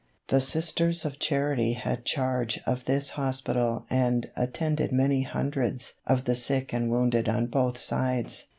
The Sisters of Charity had charge of this hospital and attended many hundreds of the sick and wounded on both sides.